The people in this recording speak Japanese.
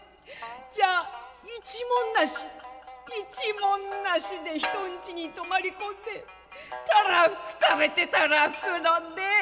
じゃあ一文無し！？一文無しで人んちに泊まり込んでたらふく食べてたらふく飲んでお役人！」。